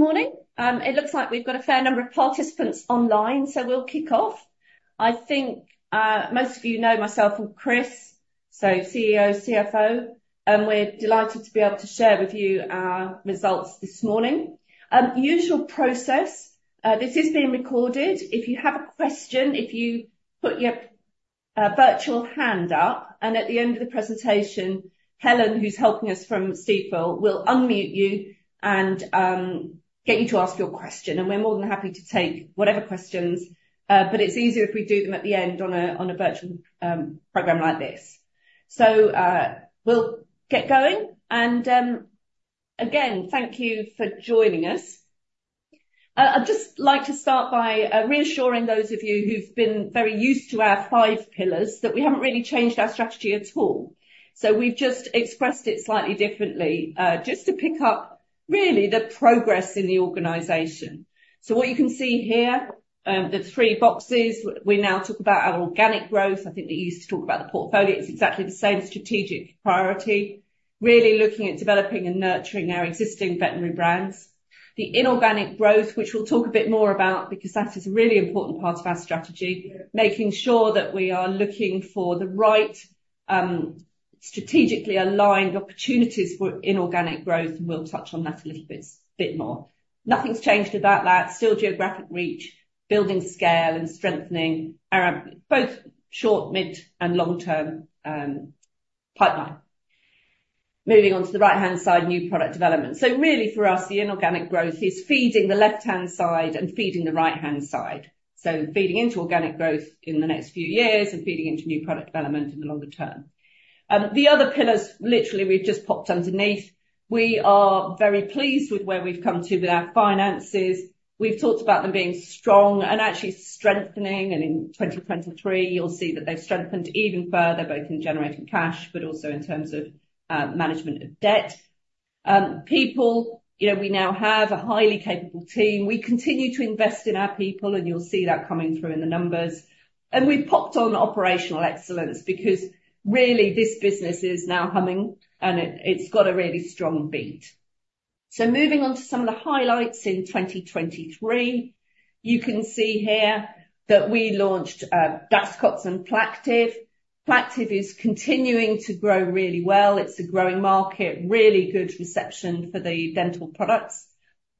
Good morning. It looks like we've got a fair number of participants online, so we'll kick off. I think most of you know myself and Chris, so CEO, CFO, and we're delighted to be able to share with you our results this morning. Usual process: this is being recorded. If you have a question, if you put your virtual hand up, and at the end of the presentation, Helen, who's helping us from Stifel, will unmute you and get you to ask your question. And we're more than happy to take whatever questions, but it's easier if we do them at the end on a virtual program like this. So, we'll get going. And, again, thank you for joining us. I'd just like to start by reassuring those of you who've been very used to our five pillars that we haven't really changed our strategy at all. So we've just expressed it slightly differently, just to pick up, really, the progress in the organization. So what you can see here, the three boxes: we now talk about our organic growth. I think that you used to talk about the portfolio. It's exactly the same strategic priority, really looking at developing and nurturing our existing veterinary brands. The inorganic growth, which we'll talk a bit more about because that is a really important part of our strategy: making sure that we are looking for the right, strategically aligned opportunities for inorganic growth, and we'll touch on that a little bit more. Nothing's changed about that. Still geographic reach, building scale, and strengthening our aim both short, mid, and long-term pipeline. Moving on to the right-hand side, new product development. So really, for us, the inorganic growth is feeding the left-hand side and feeding the right-hand side, so feeding into organic growth in the next few years and feeding into new product development in the longer term. The other pillars, literally, we've just popped underneath. We are very pleased with where we've come to with our finances. We've talked about them being strong and actually strengthening, and in 2023, you'll see that they've strengthened even further, both in generating cash but also in terms of management of debt. People, you know, we now have a highly capable team. We continue to invest in our people, and you'll see that coming through in the numbers. And we've popped on operational excellence because, really, this business is now humming, and it's got a really strong beat. So moving on to some of the highlights in 2023, you can see here that we launched Daxocox and Plaqtiv+. Plaqtiv+ is continuing to grow really well. It's a growing market, really good reception for the dental products.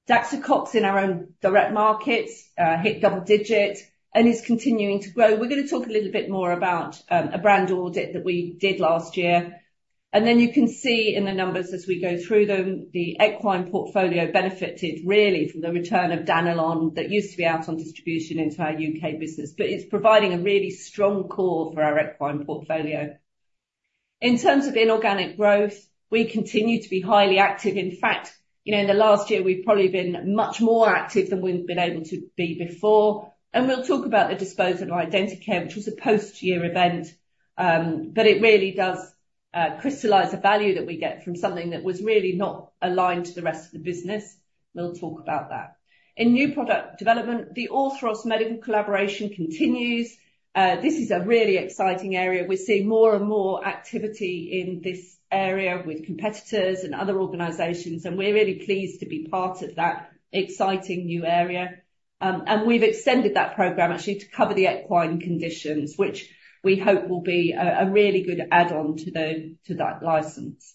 Daxocox, in our own direct markets, hit double digit and is continuing to grow. We're gonna talk a little bit more about a brand audit that we did last year. And then you can see in the numbers as we go through them, the equine portfolio benefited really from the return of Danilon that used to be out on distribution into our U.K. business, but it's providing a really strong core for our equine portfolio. In terms of inorganic growth, we continue to be highly active. In fact, you know, in the last year, we've probably been much more active than we've been able to be before. We'll talk about the disposal of Identicare, which was a post-year event, but it really does crystallize the value that we get from something that was really not aligned to the rest of the business. We'll talk about that. In new product development, the Orthros Medical collaboration continues. This is a really exciting area. We're seeing more and more activity in this area with competitors and other organizations, and we're really pleased to be part of that exciting new area. And we've extended that program, actually, to cover the equine conditions, which we hope will be a really good add-on to that license.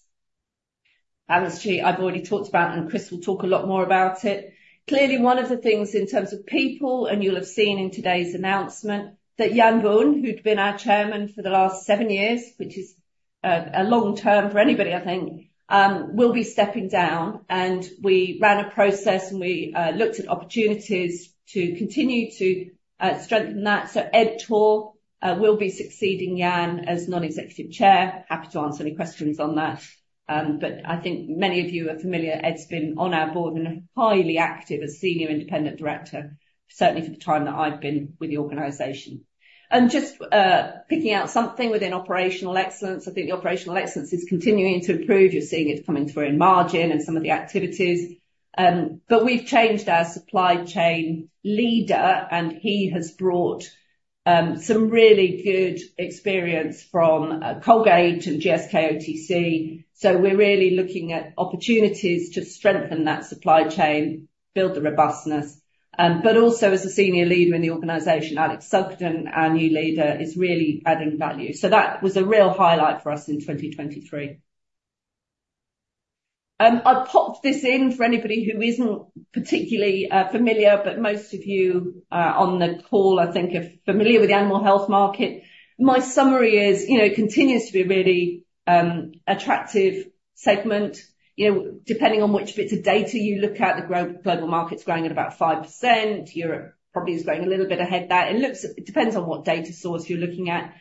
Balance sheet, I've already talked about, and Chris will talk a lot more about it. Clearly, one of the things in terms of people, and you'll have seen in today's announcement, that Jan Boone, who'd been our chairman for the last seven years, which is a long term for anybody, I think, will be stepping down. And we ran a process, and we looked at opportunities to continue to strengthen that. So Ed Torr will be succeeding Jan as non-executive chair. Happy to answer any questions on that. But I think many of you are familiar. Ed's been on our board and highly active as senior independent director, certainly for the time that I've been with the organization. And just picking out something within operational excellence, I think the operational excellence is continuing to improve. You're seeing it coming through in margin and some of the activities. But we've changed our supply chain leader, and he has brought some really good experience from Colgate and GSK OTC. So we're really looking at opportunities to strengthen that supply chain, build the robustness. But also, as a senior leader in the organization, Alex Mayfield, our new leader, is really adding value. So that was a real highlight for us in 2023. I popped this in for anybody who isn't particularly familiar, but most of you on the call, I think, are familiar with the animal health market. My summary is, you know, it continues to be a really attractive segment. You know, depending on which bits of data you look at, the global market's growing at about 5%. Europe probably is growing a little bit ahead of that. It looks; it depends on what data source you're looking at.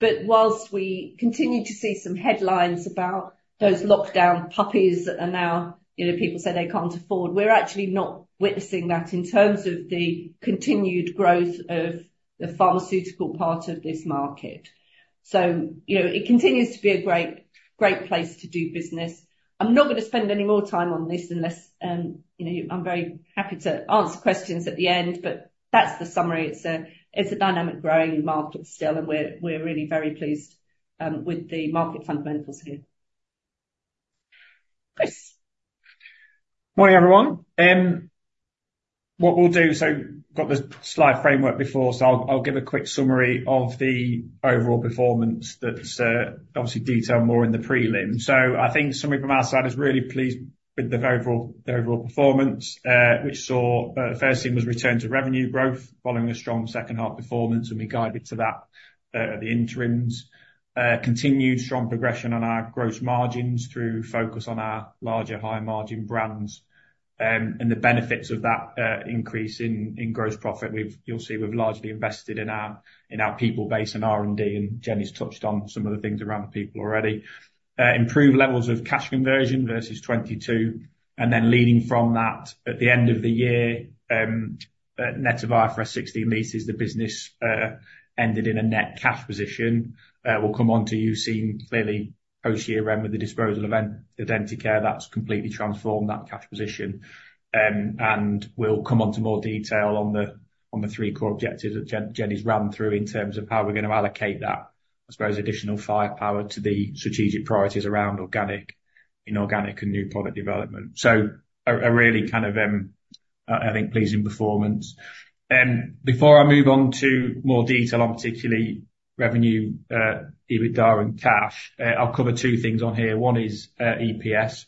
But while we continue to see some headlines about those lockdown puppies that are now, you know, people say they can't afford, we're actually not witnessing that in terms of the continued growth of the pharmaceutical part of this market. So, you know, it continues to be a great, great place to do business. I'm not gonna spend any more time on this unless, you know, you I'm very happy to answer questions at the end, but that's the summary. It's a it's a dynamic growing market still, and we're, we're really very pleased with the market fundamentals here. Chris? Morning, everyone. What we'll do so got this slide framework before, so I'll, I'll give a quick summary of the overall performance that's, obviously detailed more in the prelim. So I think somebody from our side is really pleased with the overall performance, which saw, the first thing was return to revenue growth following a strong second-half performance, and we guided to that, at the interims. Continued strong progression on our gross margins through focus on our larger high-margin brands. And the benefits of that, increase in gross profit, we've – you'll see – we've largely invested in our people base and R&D, and Jenny's touched on some of the things around the people already. Improved levels of cash conversion versus 2022. And then leading from that, at the end of the year, net of IFRS 16 leases, the business ended in a net cash position. We'll come on to you seeing clearly post-year-end with the disposal of Identicare, that's completely transformed that cash position. And we'll come on to more detail on the three core objectives that Jenny's ran through in terms of how we're gonna allocate that, I suppose, additional firepower to the strategic priorities around organic, inorganic and new product development. So a really kind of, I think, pleasing performance. Before I move on to more detail on particularly revenue, EBITDA and cash, I'll cover two things on here. One is EPS.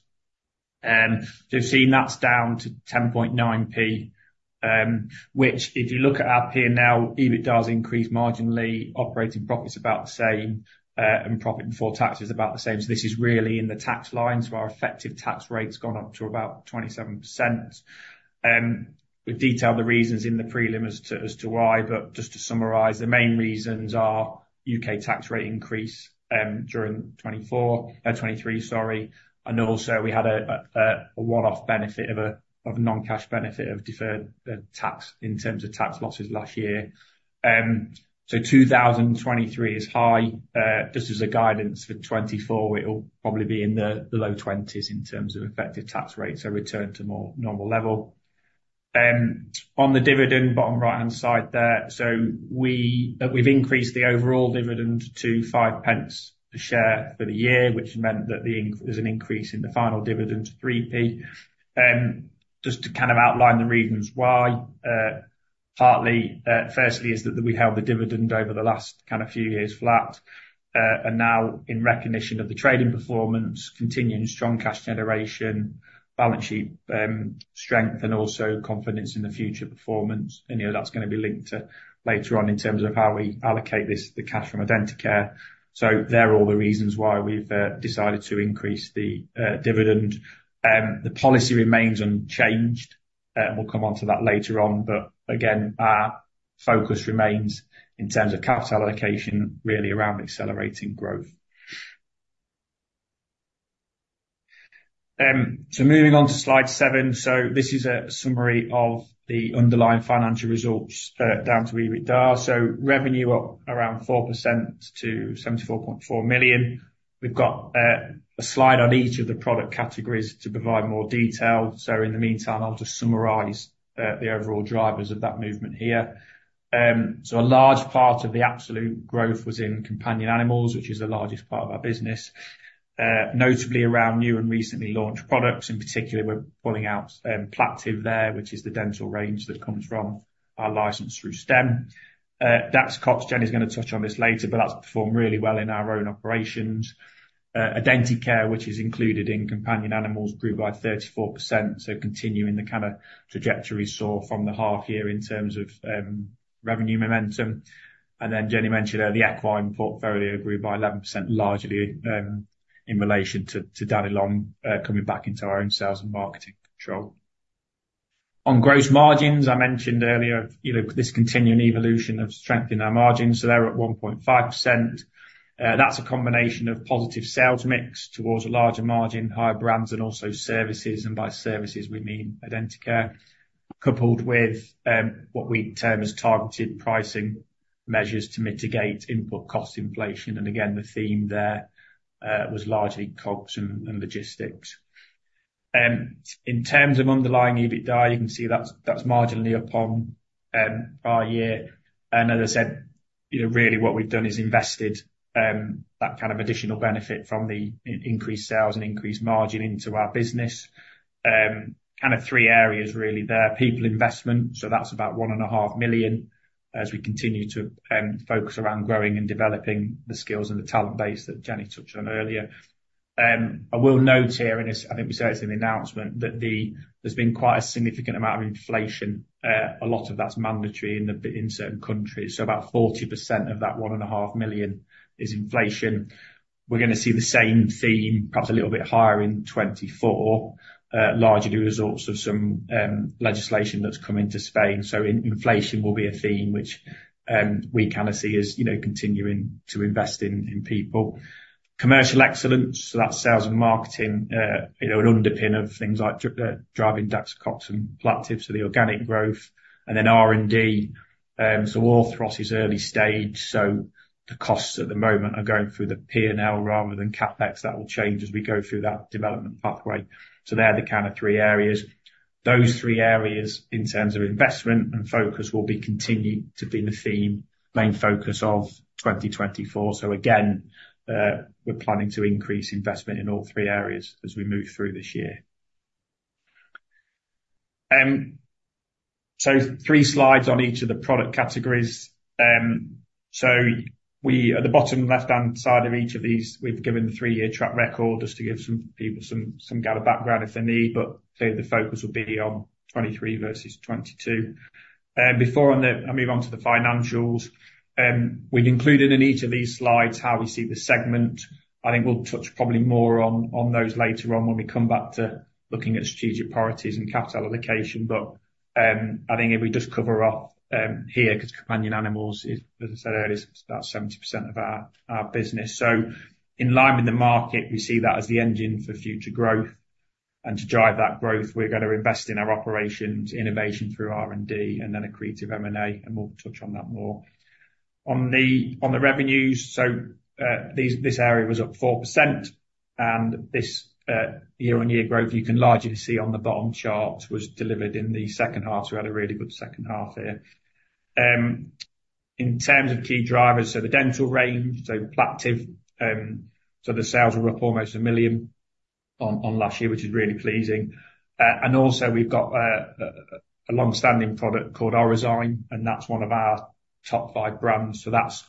So you've seen that's down to 10.9p, which if you look at our P&L, EBITDA's increased marginally, operating profit's about the same, and profit before tax is about the same. So this is really in the tax line, so our effective tax rate's gone up to about 27%. We've detailed the reasons in the prelim as to why, but just to summarize, the main reasons are U.K. tax rate increase during 2023, sorry. Also we had a one-off benefit of a non-cash benefit of deferred tax in terms of tax losses last year. So 2023 is high. Just as a guidance for 2024, it'll probably be in the low 20s in terms of effective tax rate, so return to more normal level. On the dividend bottom right-hand side there, so we've increased the overall dividend to 0.05 a share for the year, which meant that there's an increase in the final dividend to 3p. Just to kind of outline the reasons why, partly, firstly is that, that we held the dividend over the last kind of few years flat, and now in recognition of the trading performance, continuing strong cash generation, balance sheet, strength, and also confidence in the future performance. And, you know, that's gonna be linked to later on in terms of how we allocate this the cash from Identicare. So they're all the reasons why we've, decided to increase the, dividend. The policy remains unchanged, and we'll come on to that later on, but again, our focus remains in terms of capital allocation, really around accelerating growth. So moving on to slide seven. So this is a summary of the underlying financial results, down to EBITDA. So revenue up around 4% to 74.4 million. We've got, a slide on each of the product categories to provide more detail. So in the meantime, I'll just summarize, the overall drivers of that movement here. A large part of the absolute growth was in companion animals, which is the largest part of our business, notably around new and recently launched products. In particular, we're pulling out Plaqtiv+ there, which is the dental range that comes from our license through STEM. Daxocox, Jenny's gonna touch on this later, but that's performed really well in our own operations. Identicare, which is included in companion animals, grew by 34%, so continuing the kind of trajectory we saw from the half-year in terms of revenue momentum. And then Jenny mentioned earlier the equine portfolio, grew by 11% largely, in relation to, to Danilon, coming back into our own sales and marketing control. On gross margins, I mentioned earlier, you know, this continuing evolution of strengthening our margins. So they're at 1.5%. That's a combination of positive sales mix towards a larger margin, higher brands, and also services. And by services, we mean Identicare, coupled with what we term as targeted pricing measures to mitigate input cost inflation. And again, the theme there was largely COGS and logistics. In terms of underlying EBITDA, you can see that's marginally up on prior year. And as I said, you know, really what we've done is invested that kind of additional benefit from the increased sales and increased margin into our business in kind of three areas really there: people investment, so that's about 1.5 million, as we continue to focus around growing and developing the skills and the talent base that Jenny touched on earlier. I will note here in this I think we said it's in the announcement that there's been quite a significant amount of inflation. A lot of that's mandatory in Spain in certain countries. So about 40% of that 1.5 million is inflation. We're gonna see the same theme, perhaps a little bit higher in 2024, largely results of some legislation that's come into Spain. So inflation will be a theme which we kinda see as, you know, continuing to invest in people. Commercial excellence, so that's sales and marketing, you know, and underpin of things like driving Daxocox and Plaqtiv+, so the organic growth. And then R&D, so Orthros is early stage, so the costs at the moment are going through the P&L rather than CapEx. That will change as we go through that development pathway. So they're the kind of three areas. Those three areas, in terms of investment and focus, will continue to be the main focus of 2024. So again, we're planning to increase investment in all three areas as we move through this year. So, three slides on each of the product categories. So, at the bottom left-hand side of each of these, we've given the three-year track record just to give some people some background if they need, but clearly the focus will be on 2023 versus 2022. Before I move on to the financials, we've included in each of these slides how we see the segment. I think we'll touch probably more on those later on when we come back to looking at strategic priorities and capital allocation, but I think if we just cover off here 'cause companion animals is, as I said earlier, so about 70% of our business. So in line with the market, we see that as the engine for future growth. And to drive that growth, we're gonna invest in our operations, innovation through R&D, and then accretive M&A, and we'll touch on that more. On the revenues, so, this area was up 4%. And this year-on-year growth you can largely see on the bottom chart was delivered in the second half. So we had a really good second half here. In terms of key drivers, so the dental range, so Plaqtiv+, so the sales were up almost 1 million on last year, which is really pleasing. And also we've got a longstanding product called Orozyme, and that's one of our top five brands. So that's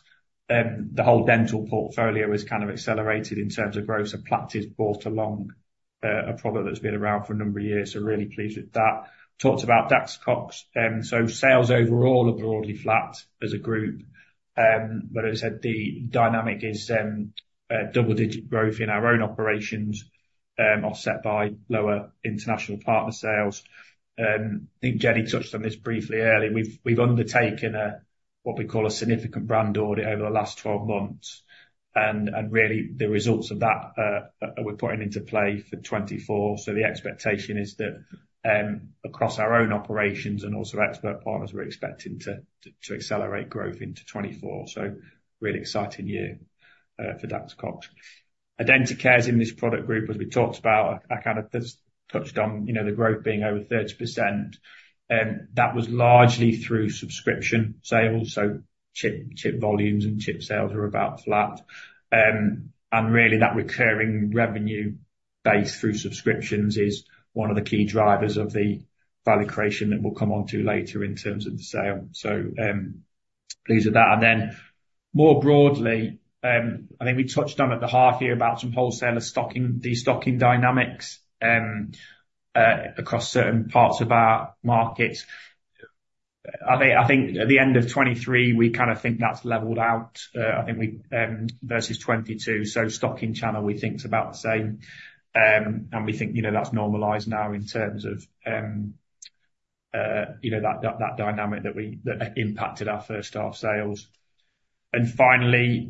the whole dental portfolio has kind of accelerated in terms of growth, and Plaqtiv+'s brought along a product that's been around for a number of years, so really pleased with that. Talked about Daxocox, so sales overall are broadly flat as a group. But as I said, the dynamic is double-digit growth in our own operations, offset by lower international partner sales. I think Jenny touched on this briefly earlier. We've undertaken a what we call a significant brand audit over the last 12 months. And really the results of that are we're putting into play for 2024. So the expectation is that across our own operations and also export partners, we're expecting to accelerate growth into 2024. So really exciting year for Daxocox. Identicare's in this product group, as we talked about. I kinda just touched on, you know, the growth being over 30%. That was largely through subscription sales, so chip volumes and chip sales were about flat. Really, that recurring revenue base through subscriptions is one of the key drivers of the value creation that we'll come on to later in terms of the sale. So, pleased with that. And then more broadly, I think we touched on at the half-year about some wholesaler stocking destocking dynamics across certain parts of our markets. I think at the end of 2023, we kinda think that's leveled out. I think we, versus 2022, so stocking channel we think's about the same. And we think, you know, that's normalized now in terms of, you know, that dynamic that we impacted our first-half sales. And finally,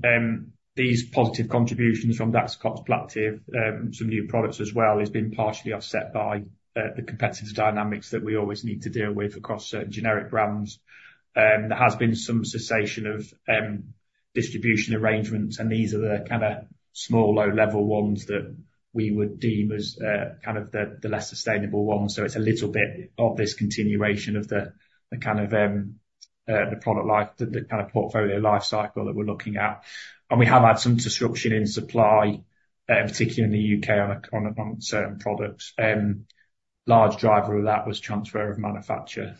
these positive contributions from Daxocox, Plaqtiv+, some new products as well, has been partially offset by the competitive dynamics that we always need to deal with across certain generic brands. There has been some cessation of distribution arrangements, and these are the kinda small, low-level ones that we would deem as kind of the less sustainable ones. So it's a little bit of this continuation of the kind of product life, the kinda portfolio life cycle that we're looking at. And we have had some disruption in supply, in particular in the U.K. on certain products. A large driver of that was transfer of manufacturer,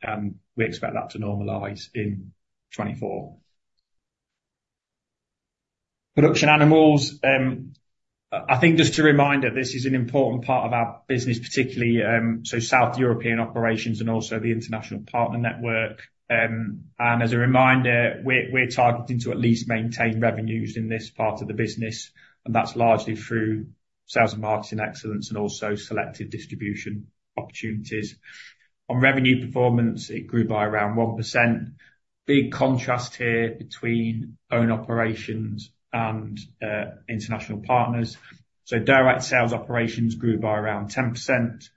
and we expect that to normalize in 2024. Production animals, I think just to reminder, this is an important part of our business, particularly so South European operations and also the international partner network. And as a reminder, we're targeting to at least maintain revenues in this part of the business, and that's largely through sales and marketing excellence and also selective distribution opportunities. On revenue performance, it grew by around 1%. Big contrast here between own operations and international partners. So direct sales operations grew by around 10%.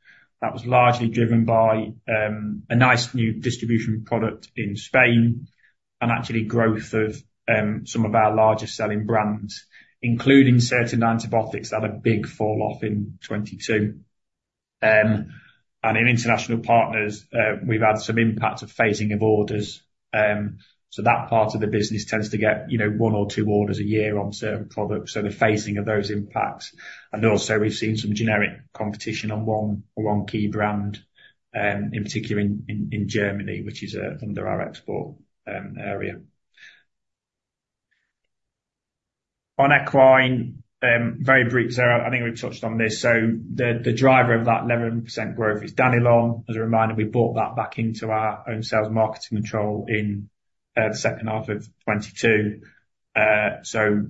That was largely driven by a nice new distribution product in Spain and actually growth of some of our largest selling brands, including certain antibiotics that had a big fall-off in 2022. And in international partners, we've had some impacts of phasing of orders. So that part of the business tends to get, you know, one or two orders a year on certain products, so the phasing of those impacts. And also we've seen some generic competition on one key brand, in particular in Germany, which is under our export area. On equine, very brief, Sarah, I think we've touched on this. So the driver of that 11% growth is Danilon. As a reminder, we bought that back into our own sales marketing control in the second half of 2022. So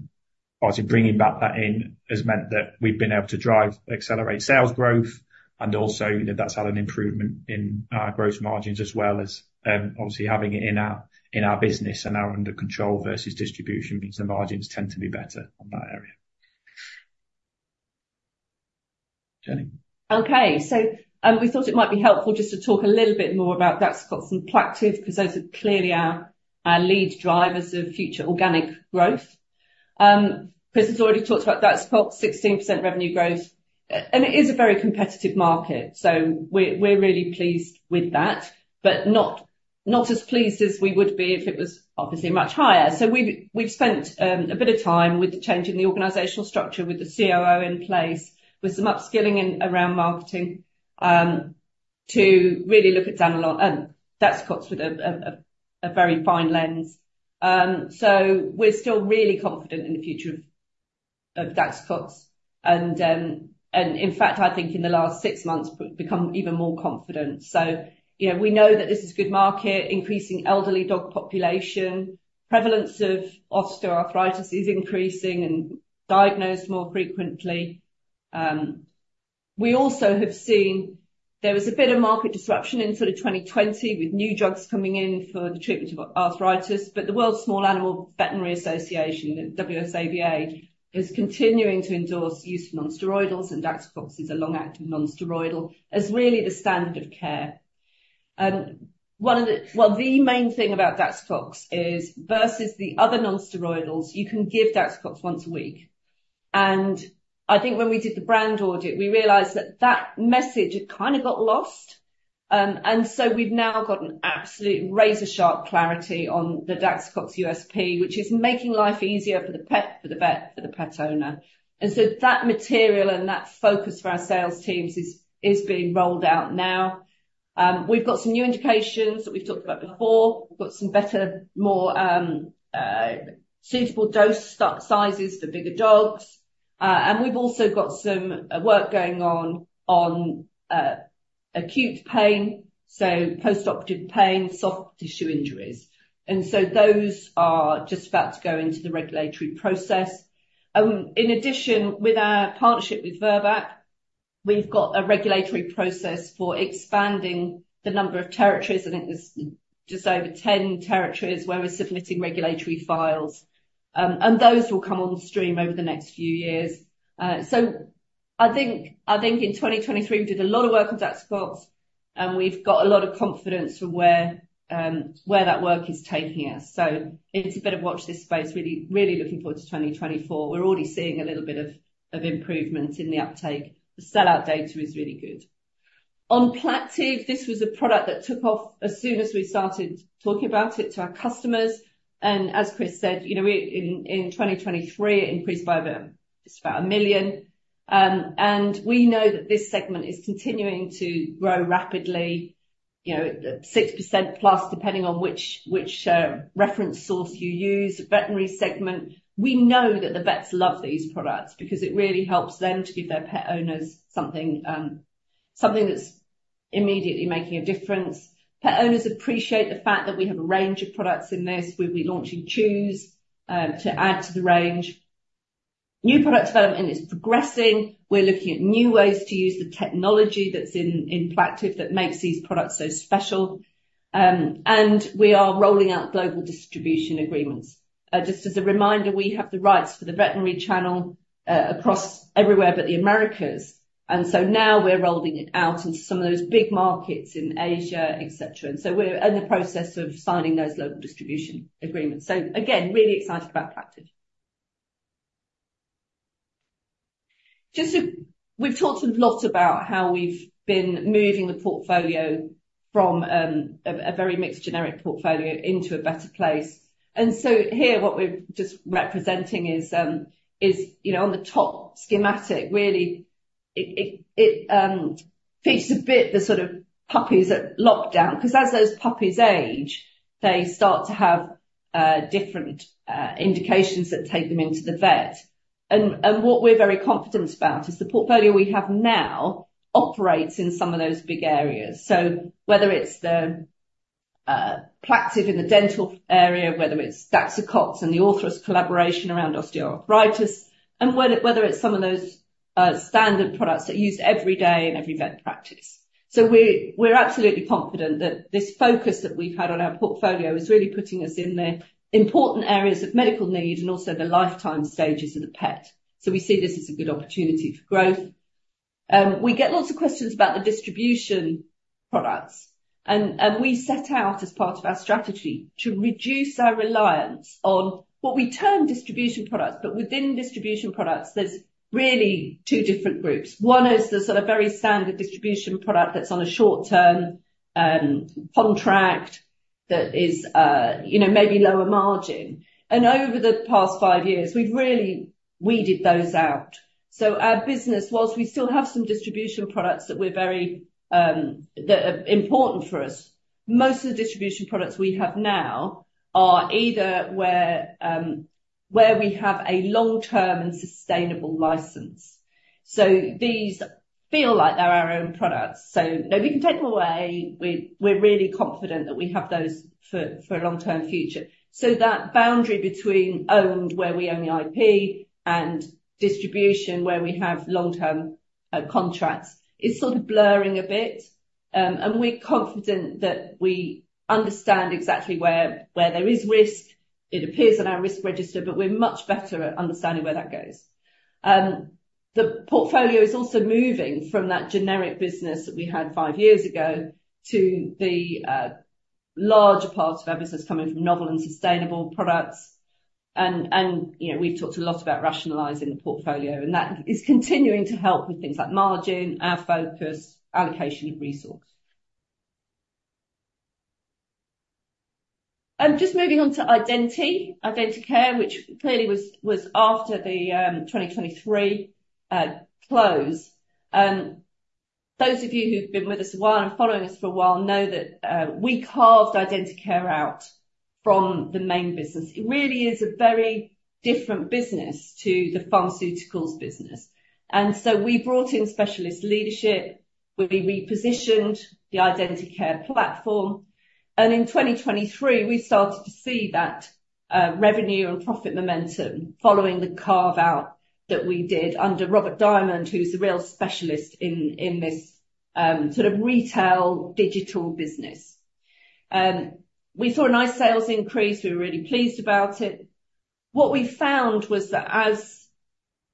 obviously bringing back that in has meant that we've been able to drive accelerate sales growth, and also, you know, that's had an improvement in our gross margins as well as, obviously having it in our in our business and our under-control versus distribution means the margins tend to be better on that area. Jenny? Okay. So, we thought it might be helpful just to talk a little bit more about Daxocox and Plaqtiv+ 'cause those are clearly our, our lead drivers of future organic growth. Chris has already talked about Daxocox, 16% revenue growth. And it is a very competitive market, so we're, we're really pleased with that, but not, not as pleased as we would be if it was obviously much higher. So we've spent a bit of time with the change in the organizational structure, with the COO in place, with some upskilling in around marketing, to really look at Danilon Daxocox with a very fine lens. So we're still really confident in the future of Daxocox. And in fact, I think in the last six months, we've become even more confident. So, you know, we know that this is a good market, increasing elderly dog population, prevalence of osteoarthritis is increasing and diagnosed more frequently. We also have seen there was a bit of market disruption in sort of 2020 with new drugs coming in for the treatment of arthritis, but the World Small Animal Veterinary Association, the WSAVA, is continuing to endorse use of non-steroidals, and Daxocox is a long-acting non-steroidal as really the standard of care. One of the well, the main thing about Daxocox is versus the other non-steroidals, you can give Daxocox once a week. And I think when we did the brand audit, we realized that that message had kinda got lost. And so we've now got an absolute razor-sharp clarity on the Daxocox USP, which is making life easier for the pet for the vet for the pet owner. And so that material and that focus for our sales teams is, is being rolled out now. We've got some new indications that we've talked about before. We've got some better, more, suitable dose sizes for bigger dogs. And we've also got some work going on on acute pain, so post-operative pain, soft tissue injuries. And so those are just about to go into the regulatory process. In addition, with our partnership with Virbac, we've got a regulatory process for expanding the number of territories. I think there's just over 10 territories where we're submitting regulatory files. And those will come on stream over the next few years. So I think in 2023, we did a lot of work on Daxocox, and we've got a lot of confidence from where that work is taking us. So it's a bit of watch this space, really, really looking forward to 2024. We're already seeing a little bit of improvement in the uptake. The sellout data is really good. On Plaqtiv+, this was a product that took off as soon as we started talking about it to our customers. And as Chris said, you know, we in 2023, it increased by about 1 million. We know that this segment is continuing to grow rapidly, you know, 6%+ depending on which reference source you use, veterinary segment. We know that the vets love these products because it really helps them to give their pet owners something, something that's immediately making a difference. Pet owners appreciate the fact that we have a range of products in this. We'll be launching chews, to add to the range. New product development is progressing. We're looking at new ways to use the technology that's in Plaqtiv+ that makes these products so special. We are rolling out global distribution agreements. Just as a reminder, we have the rights for the veterinary channel, across everywhere but the Americas. And so now we're rolling it out into some of those big markets in Asia, etc. And so we're in the process of signing those local distribution agreements. So again, really excited about Plaqtiv+. Just as we've talked a lot about how we've been moving the portfolio from a very mixed generic portfolio into a better place. And so here what we're just representing is, you know, on the top schematic, really, it features a bit the sort of puppies at lockdown 'cause as those puppies age, they start to have different indications that take them into the vet. And what we're very confident about is the portfolio we have now operates in some of those big areas. So whether it's the Plaqtiv+ in the dental area, whether it's Daxocox and our OA collaboration around osteoarthritis, and whether it's some of those standard products that are used every day in every vet practice. So we're absolutely confident that this focus that we've had on our portfolio is really putting us in the important areas of medical need and also the lifetime stages of the pet. So we see this as a good opportunity for growth. We get lots of questions about the distribution products. And we set out as part of our strategy to reduce our reliance on what we term distribution products, but within distribution products, there's really two different groups. One is the sort of very standard distribution product that's on a short-term contract that is, you know, maybe lower margin. And over the past five years, we've really weeded those out. So our business, while we still have some distribution products that are important for us, most of the distribution products we have now are either where we have a long-term and sustainable license. So these feel like they're our own products. So no, we can take them away. We're really confident that we have those for a long-term future. So that boundary between owned where we own the IP and distribution where we have long-term contracts is sort of blurring a bit. And we're confident that we understand exactly where there is risk. It appears on our risk register, but we're much better at understanding where that goes. The portfolio is also moving from that generic business that we had five years ago to the larger part of our business coming from novel and sustainable products. And you know, we've talked a lot about rationalizing the portfolio, and that is continuing to help with things like margin, our focus, allocation of resource. Just moving on to Identicare, which clearly was after the 2023 close. Those of you who've been with us a while and following us for a while know that, we carved Identicare out from the main business. It really is a very different business to the pharmaceuticals business. And so we brought in specialist leadership. We repositioned the Identicare platform. And in 2023, we started to see that, revenue and profit momentum following the carve-out that we did under Robert Diamond, who's the real specialist in, in this, sort of retail digital business. We saw a nice sales increase. We were really pleased about it. What we found was that as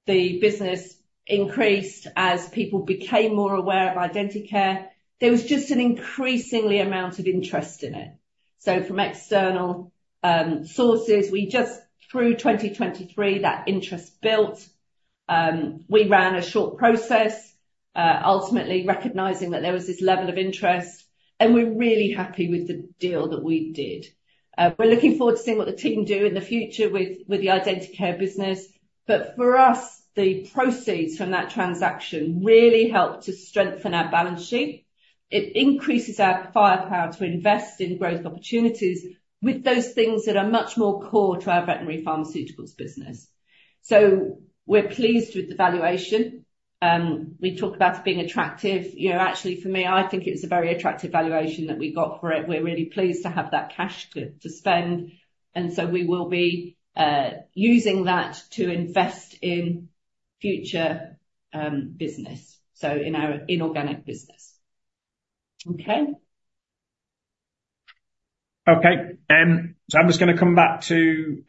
the business increased, as people became more aware of Identicare, there was just an increasingly amount of interest in it. So from external, sources, we just through 2023, that interest built. We ran a short process, ultimately recognizing that there was this level of interest, and we're really happy with the deal that we did. We're looking forward to seeing what the team do in the future with the Identicare business. But for us, the proceeds from that transaction really helped to strengthen our balance sheet. It increases our firepower to invest in growth opportunities with those things that are much more core to our veterinary pharmaceuticals business. So we're pleased with the valuation. We talked about it being attractive. You know, actually, for me, I think it was a very attractive valuation that we got for it. We're really pleased to have that cash to spend. And so we will be using that to invest in future business, so in our inorganic business. Okay? Okay. So I'm just gonna come back to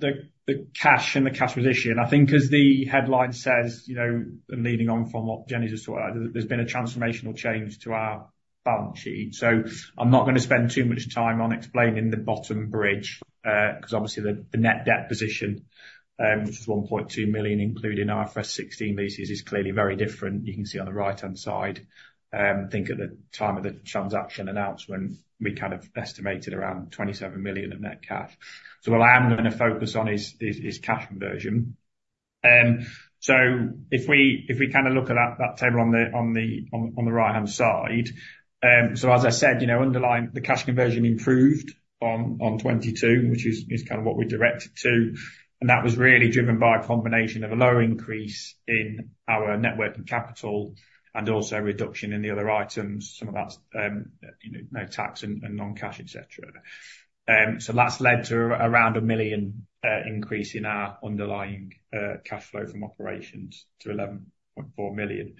the cash and the cash position. I think as the headline says, you know, and leading on from what Jenny just talked about, there's been a transformational change to our balance sheet. So I'm not gonna spend too much time on explaining the debt bridge, 'cause obviously the net debt position, which is 1.2 million including IFRS 16 leases, is clearly very different. You can see on the right-hand side, at the time of the transaction announcement, we kind of estimated around 27 million of net cash. So what I am gonna focus on is cash conversion. So if we kinda look at that table on the right-hand side, so as I said, you know, underlying the cash conversion improved on 2022, which is kinda what we directed to. And that was really driven by a combination of a low increase in our net working capital and also a reduction in the other items, some of that's, you know, non-tax and non-cash, etc. So that's led to around 1 million increase in our underlying cash flow from operations to 11.4 million.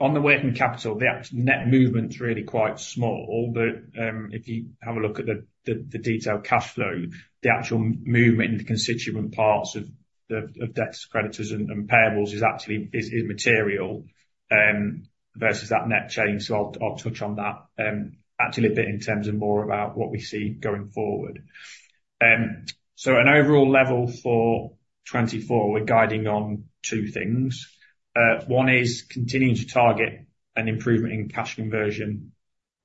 On the working capital, the actual net movement's really quite small, but if you have a look at the detailed cash flow, the actual movement in the constituent parts of debtors, creditors, and payables is actually material versus that net change. So I'll touch on that, actually a bit in terms of more about what we see going forward. At an overall level for 2024, we're guiding on two things. One is continuing to target an improvement in cash conversion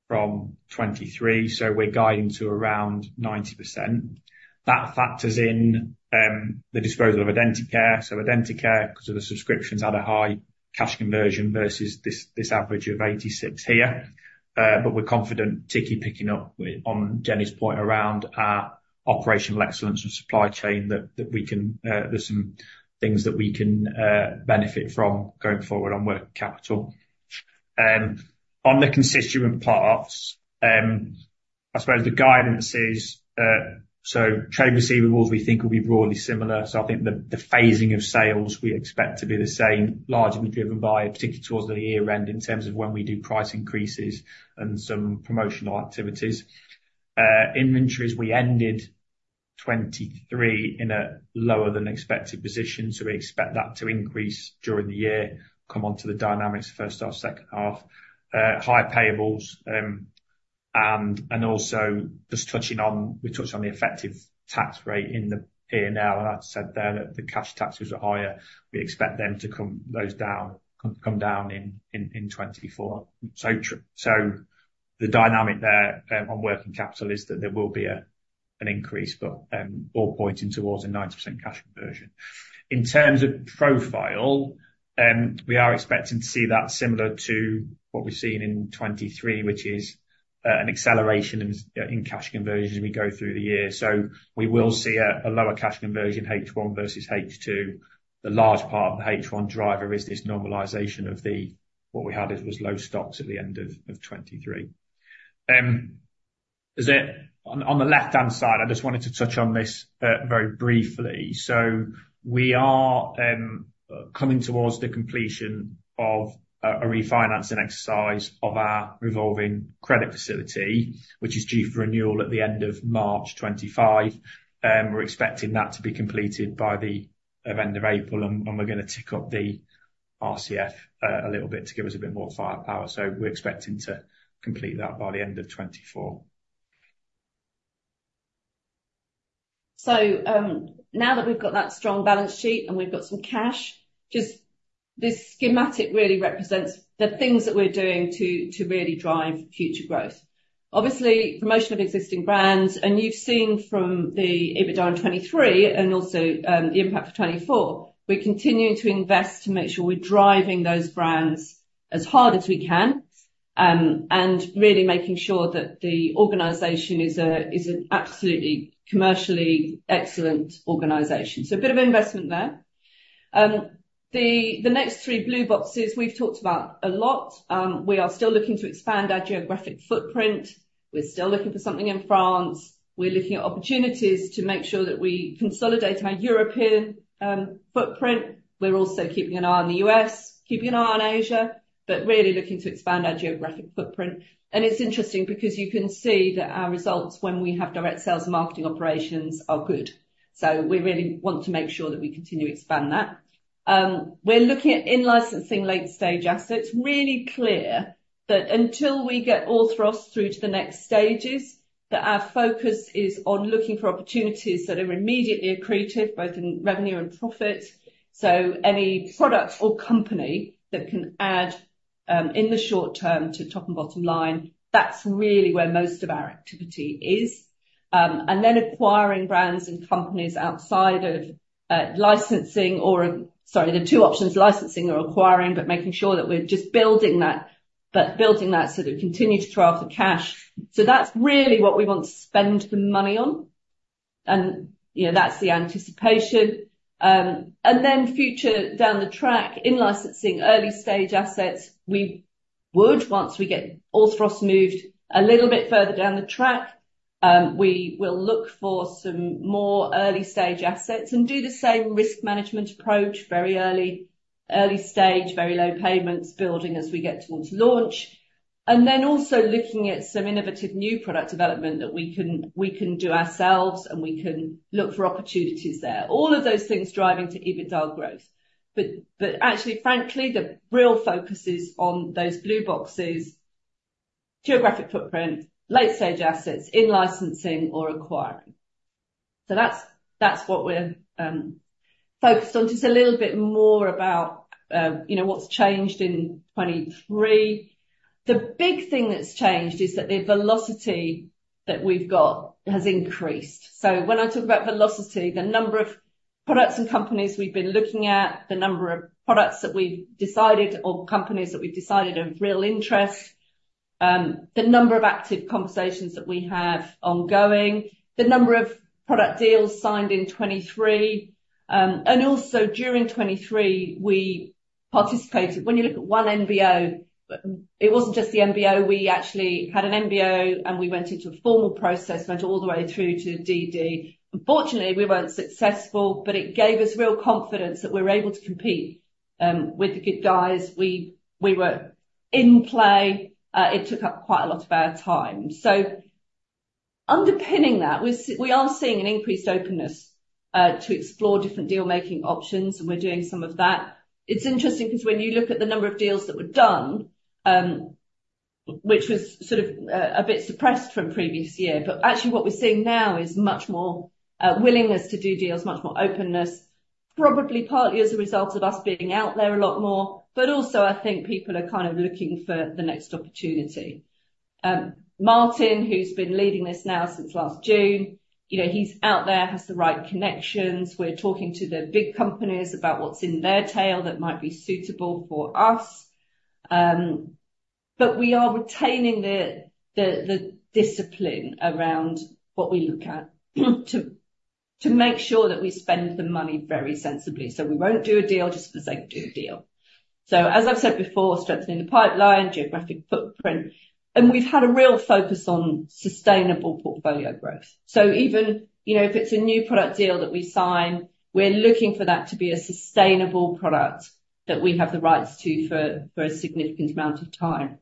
from 2023, so we're guiding to around 90%. That factors in the disposal of Identicare. So Identicare, 'cause of the subscriptions, had a high cash conversion versus this average of 86% here. But we're confident picking up on Jenny's point around our operational excellence and supply chain that we can. There's some things that we can benefit from going forward on working capital. On the constituent parts, I suppose the guidance. So trade receivables, we think, will be broadly similar. So I think the phasing of sales we expect to be the same, largely driven by particularly towards the year-end in terms of when we do price increases and some promotional activities. Inventories, we ended 2023 in a lower-than-expected position, so we expect that to increase during the year, come onto the dynamics first half, second half. High payables, and also just touching on we touched on the effective tax rate in the P&L. And I said there that the cash taxes were higher. We expect them to come down in 2024. So the dynamic there, on working capital is that there will be an increase, but all pointing towards a 90% cash conversion. In terms of profile, we are expecting to see that similar to what we've seen in 2023, which is an acceleration in cash conversion as we go through the year. So we will see a lower cash conversion H1 versus H2. The large part of the H1 driver is this normalization of what we had as low stocks at the end of 2023. It's there on the left-hand side. I just wanted to touch on this very briefly. So we are coming towards the completion of a refinancing exercise of our revolving credit facility, which is due for renewal at the end of March 2025. We're expecting that to be completed by the end of April, and we're gonna tick up the RCF a little bit to give us a bit more firepower. So we're expecting to complete that by the end of 2024. So, now that we've got that strong balance sheet and we've got some cash, just this schematic really represents the things that we're doing to really drive future growth. Obviously, promotion of existing brands. And you've seen from the EBITDA in 2023 and also, the impact for 2024, we're continuing to invest to make sure we're driving those brands as hard as we can, and really making sure that the organization is an absolutely commercially excellent organization. So a bit of investment there. The next three blue boxes, we've talked about a lot. We are still looking to expand our geographic footprint. We're still looking for something in France. We're looking at opportunities to make sure that we consolidate our European footprint. We're also keeping an eye on the U.S., keeping an eye on Asia, but really looking to expand our geographic footprint. And it's interesting because you can see that our results when we have direct sales and marketing operations are good. So we really want to make sure that we continue to expand that. We're looking at in-licensing late-stage assets. Really clear that until we get Orthros through to the next stages, that our focus is on looking for opportunities that are immediately accretive, both in revenue and profit. So any product or company that can add, in the short term to top and bottom line, that's really where most of our activity is. And then acquiring brands and companies outside of, licensing or a sorry, there are two options, licensing or acquiring, but making sure that we're just building that but building that so that we continue to carve the cash. So that's really what we want to spend the money on. And, you know, that's the anticipation. and then future down the track, in-licensing early-stage assets. We would, once we get Orthros moved a little bit further down the track, we will look for some more early-stage assets and do the same risk management approach, very early, early stage, very low payments building as we get towards launch. And then also looking at some innovative new product development that we can we can do ourselves, and we can look for opportunities there, all of those things driving to EBITDA growth. But actually, frankly, the real focus is on those blue boxes, geographic footprint, late-stage assets, in-licensing or acquiring. So that's what we're focused on. Just a little bit more about, you know, what's changed in 2023. The big thing that's changed is that the velocity that we've got has increased. So when I talk about velocity, the number of products and companies we've been looking at, the number of products that we've decided or companies that we've decided of real interest, the number of active conversations that we have ongoing, the number of product deals signed in 2023, and also during 2023, we participated when you look at one NBO, but it wasn't just the NBO. We actually had an NBO, and we went into a formal process, went all the way through to DD. Unfortunately, we weren't successful, but it gave us real confidence that we were able to compete with the good guys. We were in play. It took up quite a lot of our time. So underpinning that, we are seeing an increased openness to explore different dealmaking options, and we're doing some of that. It's interesting 'cause when you look at the number of deals that were done, which was sort of a bit suppressed from previous year, but actually what we're seeing now is much more willingness to do deals, much more openness, probably partly as a result of us being out there a lot more. But also, I think people are kind of looking for the next opportunity. Martin, who's been leading this now since last June, you know, he's out there, has the right connections. We're talking to the big companies about what's in their tail that might be suitable for us. But we are retaining the discipline around what we look at to make sure that we spend the money very sensibly. So we won't do a deal just for the sake of doing a deal. So as I've said before, strengthening the pipeline, geographic footprint. And we've had a real focus on sustainable portfolio growth. So even, you know, if it's a new product deal that we sign, we're looking for that to be a sustainable product that we have the rights to for a significant amount of time.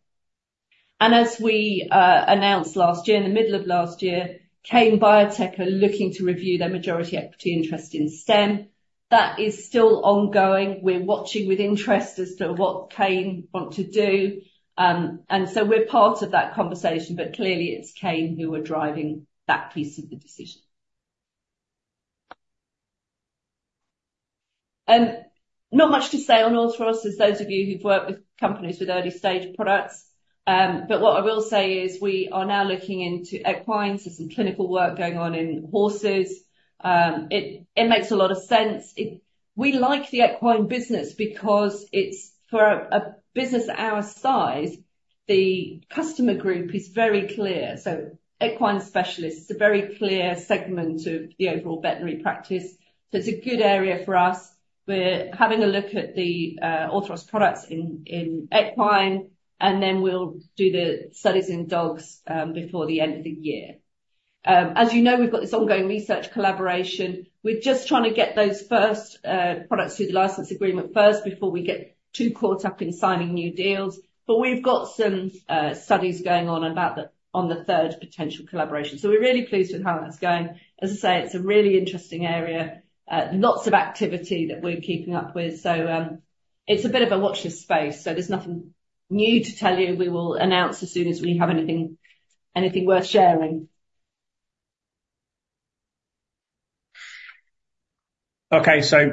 And as we announced last year, in the middle of last year, Kane Biotech are looking to review their majority equity interest in STEM. That is still ongoing. We're watching with interest as to what Kane want to do. And so we're part of that conversation, but clearly, it's Kane who are driving that piece of the decision. Not much to say on Orthros. There's those of you who've worked with companies with early-stage products. But what I will say is we are now looking into equines. There's some clinical work going on in horses. It, it makes a lot of sense. It we like the equine business because it's for a, a business at our size, the customer group is very clear. So equine specialists, it's a very clear segment of the overall veterinary practice. So it's a good area for us. We're having a look at the, Orthros products in, in equine, and then we'll do the studies in dogs, before the end of the year. As you know, we've got this ongoing research collaboration. We're just trying to get those first products through the license agreement first before we get too caught up in signing new deals. But we've got some studies going on about the on the third potential collaboration. So we're really pleased with how that's going. As I say, it's a really interesting area, lots of activity that we're keeping up with. So it's a bit of a watch this space. So there's nothing new to tell you. We will announce as soon as we have anything, anything worth sharing. Okay. So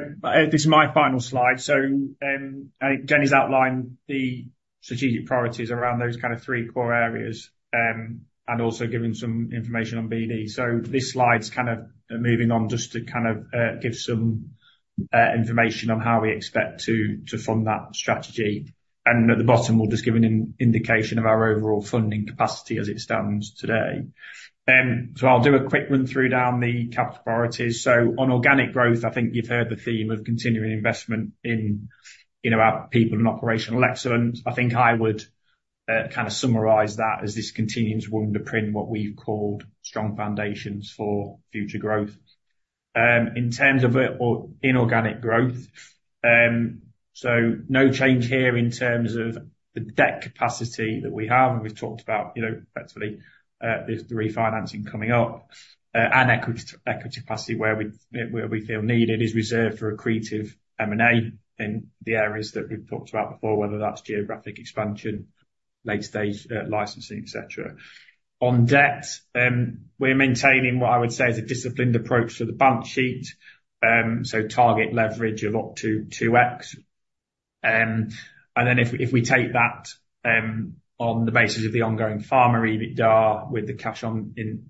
this is my final slide. So I think Jenny's outlined the strategic priorities around those kind of three core areas, and also giving some information on BD. So this slide's kind of moving on just to kind of give some information on how we expect to to fund that strategy. At the bottom, we'll just give an indication of our overall funding capacity as it stands today. So I'll do a quick run-through of the capital priorities. So on organic growth, I think you've heard the theme of continuing investment in, you know, our people and operational excellence. I think I would kinda summarize that as this continuous investment to put in place what we've called strong foundations for future growth. In terms of M&A or inorganic growth, so no change here in terms of the debt capacity that we have. And we've talked about, you know, effectively, there's the refinancing coming up. And equity capacity where we feel needed is reserved for accretive M&A in the areas that we've talked about before, whether that's geographic expansion, late-stage, licensing, etc. On debt, we're maintaining what I would say is a disciplined approach to the balance sheet, so target leverage of up to 2x. And then if we take that, on the basis of the ongoing forward EBITDA with the cash on hand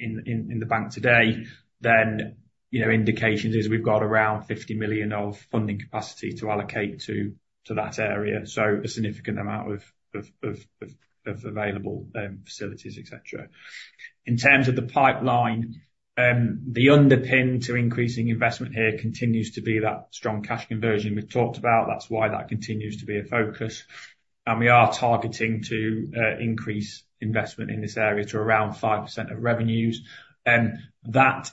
in the bank today, then, you know, indications are we've got around 50 million of funding capacity to allocate to that area, so a significant amount of available facilities, etc. In terms of the pipeline, the underpin to increasing investment here continues to be that strong cash conversion we've talked about. That's why that continues to be a focus. And we are targeting to increase investment in this area to around 5% of revenues. That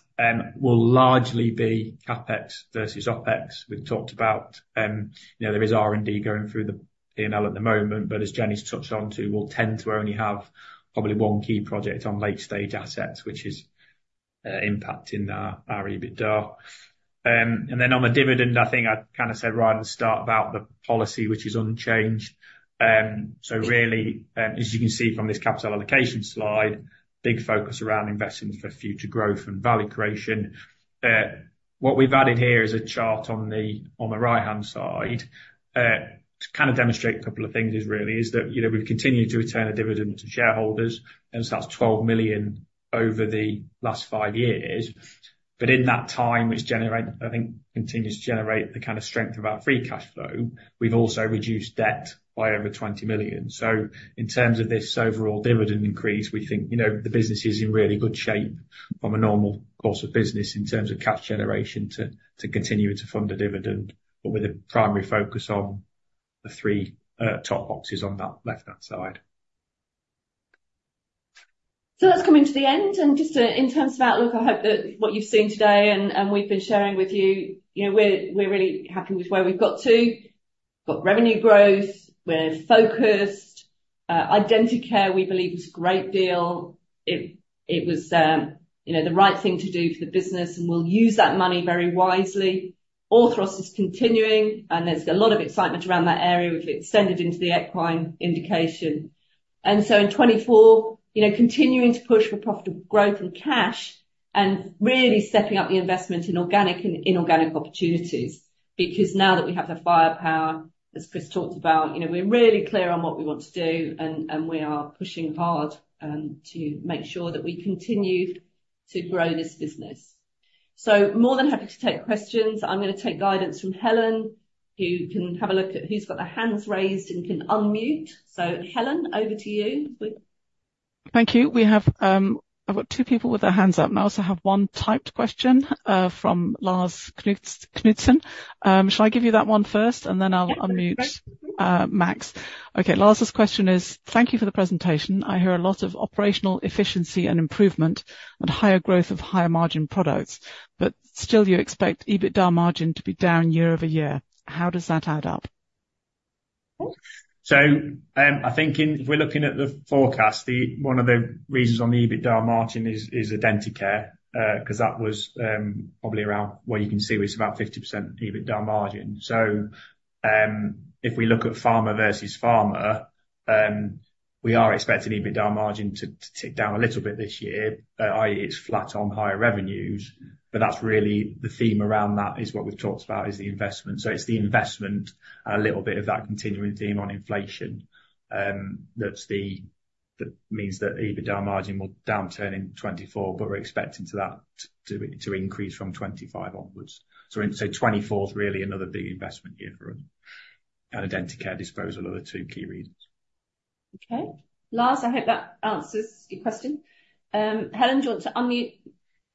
will largely be CapEx versus OpEx. We've talked about, you know, there is R&D going through the P&L at the moment, but as Jenny's touched onto, we'll tend to only have probably one key project on late-stage assets, which is impacting our EBITDA. And then on the dividend, I think I kinda said right at the start about the policy, which is unchanged. So really, as you can see from this capital allocation slide, big focus around investments for future growth and value creation. What we've added here is a chart on the right-hand side to kinda demonstrate a couple of things, that you know, we've continued to return a dividend to shareholders. And so that's 12 million over the last five years. But in that time, which, I think, continues to generate the kind of strength of our free cash flow, we've also reduced debt by over 20 million. So in terms of this overall dividend increase, we think, you know, the business is in really good shape from a normal course of business in terms of cash generation to continue to fund a dividend, but with a primary focus on the three top boxes on that left-hand side. So that's coming to the end. And just in terms of outlook, I hope that what you've seen today and we've been sharing with you, you know, we're really happy with where we've got to. We've got revenue growth. We're focused. Identicare, we believe, was a great deal. It was, you know, the right thing to do for the business, and we'll use that money very wisely. Orthros is continuing, and there's a lot of excitement around that area with it extended into the equine indication. So in 2024, you know, continuing to push for profitable growth and cash and really stepping up the investment in organic and inorganic opportunities because now that we have the firepower, as Chris talked about, you know, we're really clear on what we want to do, and, and we are pushing hard, to make sure that we continue to grow this business. So more than happy to take questions. I'm gonna take guidance from Helen, who can have a look at who's got their hands raised and can unmute. So Helen, over to you. Thank you. We have, I've got two people with their hands up. And I also have one typed question, from Lars Knutsen. Shall I give you that one first, and then I'll unmute, Max? Okay. Lars's question is, "Thank you for the presentation. I hear a lot of operational efficiency and improvement and higher growth of higher-margin products. But still, you expect EBITDA margin to be down year-over-year. How does that add up?" So, I think if we're looking at the forecast, one of the reasons on the EBITDA margin is Identicare, 'cause that was probably around where you can see where it's about 50% EBITDA margin. So, if we look at pro forma versus pro forma, we are expecting EBITDA margin to tick down a little bit this year, i.e., it's flat on higher revenues. But that's really the theme around that is what we've talked about, is the investment. So it's the investment and a little bit of that continuing theme on inflation, that's what that means, that EBITDA margin will downturn in 2024, but we're expecting that to increase from 2025 onwards. So, 2024's really another big investment year for us. And Identicare disposal are the two key reasons. Okay. Lars, I hope that answers your question. Helen wants to unmute.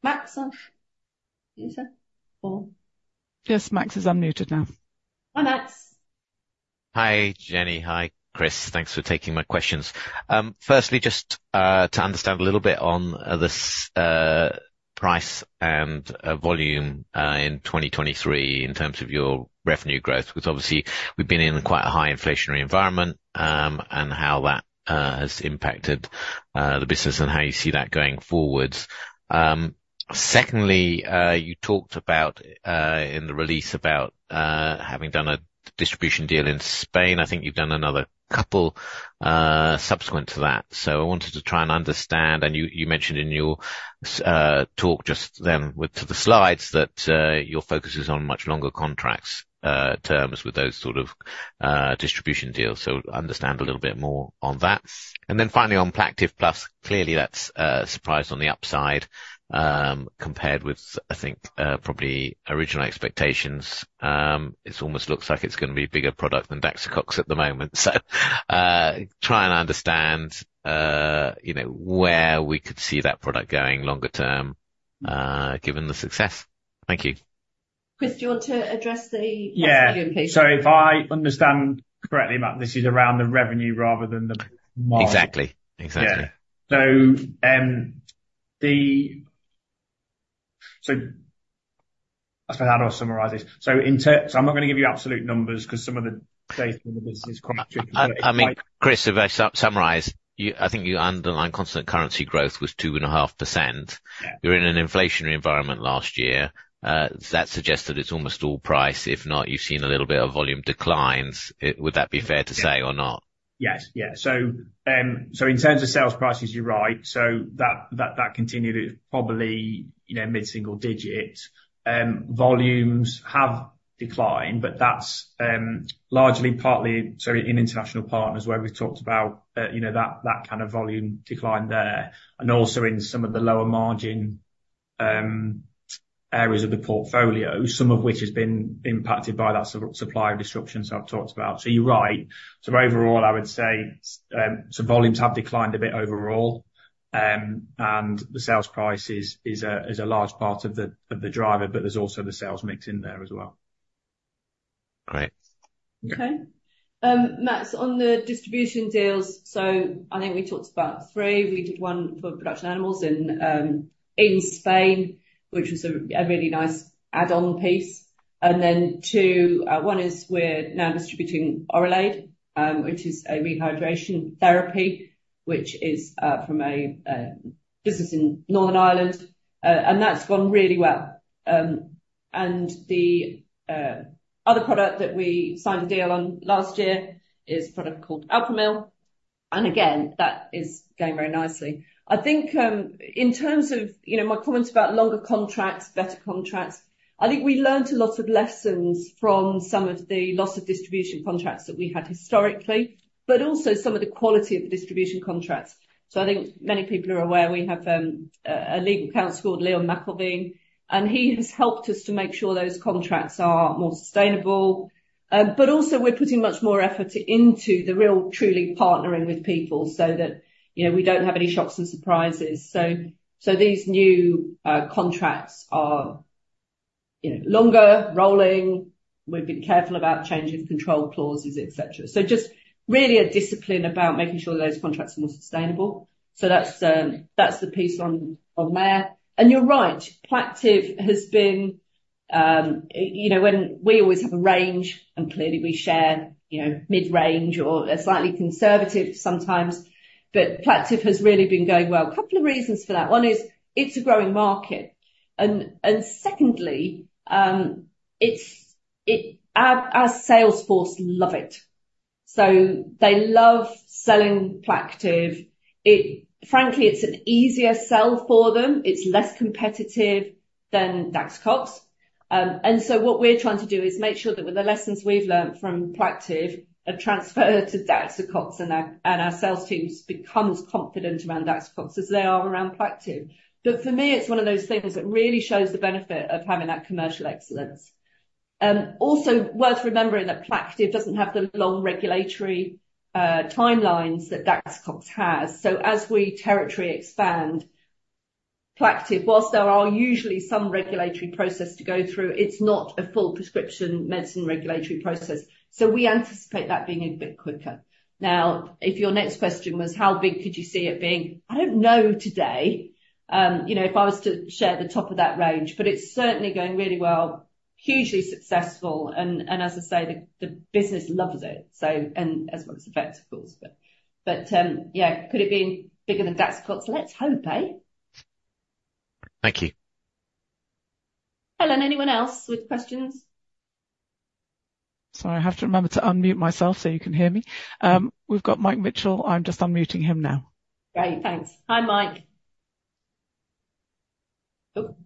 Max, are you there? Or? Yes. Max is unmuted now. Hi, Max. Hi, Jenny. Hi, Chris. Thanks for taking my questions. Firstly, just to understand a little bit on this price and volume in 2023 in terms of your revenue growth 'cause obviously, we've been in quite a high inflationary environment, and how that has impacted the business and how you see that going forwards. Secondly, you talked about in the release about having done a distribution deal in Spain. I think you've done another couple, subsequent to that. So I wanted to try and understand and you, you mentioned in your, talk just then with the slides that, your focus is on much longer contract terms with those sort of, distribution deals. So understand a little bit more on that. And then finally, on Plaqtiv+, clearly, that's surprised on the upside, compared with, I think, probably original expectations. It almost looks like it's gonna be a bigger product than Daxocox at the moment. So, try and understand, you know, where we could see that product going longer term, given the success. Thank you. Chris, do you want to address the volume piece? Yeah. So if I understand correctly, Max, this is around the revenue rather than the market. Exactly. Exactly. Yeah. So, I suppose how do I summarise this? So in terms, so I'm not gonna give you absolute numbers 'cause some of the data in the business is quite tricky. But I think. I mean, Chris, if I summarize, you I think you underlined constant currency growth was 2.5%. You're in an inflationary environment last year that suggests that it's almost all price. If not, you've seen a little bit of volume declines. Would that be fair to say or not? Yes. Yes. So, so in terms of sales prices, you're right. So that, that, that contribution is probably, you know, mid-single digit. Volumes have declined, but that's largely partly so in international partners where we've talked about, you know, that, that kind of volume decline there. And also in some of the lower-margin areas of the portfolio, some of which has been impacted by that supply disruption I've talked about. So you're right. So overall, I would say, so volumes have declined a bit overall. And the sales price is a large part of the driver, but there's also the sales mix in there as well. Great. Okay. Max, on the distribution deals, so I think we talked about three. We did one for production animals in Spain, which was a really nice add-on piece. And then two, one is we're now distributing Oralade, which is a rehydration therapy, which is from a business in Northern Ireland. And that's gone really well. And the other product that we signed a deal on last year is a product called Alfamil. And again, that is going very nicely. I think, in terms of, you know, my comments about longer contracts, better contracts, I think we learned a lot of lessons from some of the loss of distribution contracts that we had historically, but also some of the quality of the distribution contracts. So I think many people are aware we have a legal counsel called Liam Maclean. And he has helped us to make sure those contracts are more sustainable, but also, we're putting much more effort into really truly partnering with people so that, you know, we don't have any shocks and surprises. So these new contracts are, you know, longer, rolling. We've been careful about changing the control clauses, etc. So just really a discipline about making sure that those contracts are more sustainable. So that's the piece on there. And you're right. Plaqtiv+ has been, you know, when we always have a range, and clearly, we share, you know, mid-range or a slightly conservative sometimes. But Plaqtiv+ has really been going well. A couple of reasons for that. One is it's a growing market. And secondly, it's our sales force love it. So they love selling Plaqtiv+. It frankly, it's an easier sell for them. It's less competitive than Daxocox. And so what we're trying to do is make sure that with the lessons we've learned from Plaqtiv+, a transfer to Daxocox and our sales teams becomes confident around Daxocox as they are around Plaqtiv+. But for me, it's one of those things that really shows the benefit of having that commercial excellence. Also worth remembering that Plaqtiv+ doesn't have the long regulatory timelines that Daxocox has. So as we territory expand, Plaqtiv+ whilst there are usually some regulatory process to go through, it's not a full prescription medicine regulatory process. So we anticipate that being a bit quicker. Now, if your next question was, "How big could you see it being?" I don't know today, you know, if I was to share the top of that range. But it's certainly going really well, hugely successful. And, and as I say, the, the business loves it, so and as well as effect, of course. But, but, yeah, could it be bigger than Daxocox? Let's hope. Thank you. Helen, anyone else with questions? Sorry. I have to remember to unmute myself so you can hear me. We've got Mike Mitchell. I'm just unmuting him now. Great. Thanks. Hi, Mike. Oop. Hello.